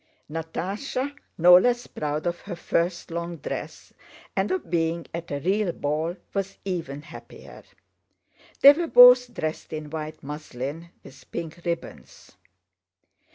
Natásha no less proud of her first long dress and of being at a real ball was even happier. They were both dressed in white muslin with pink ribbons.